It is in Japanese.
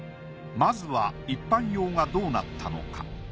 まずは一般用がどうなったのか。